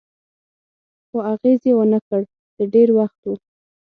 خو اغېز یې و نه کړ، د ډېر وخت و.